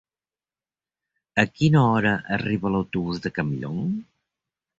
A quina hora arriba l'autobús de Campllong?